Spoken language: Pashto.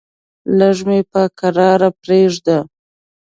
لږ مې په کرار پرېږده!